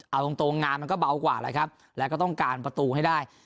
เอาตรงงานมันก็เบากว่าแล้วครับแล้วก็ต้องการประตูให้ได้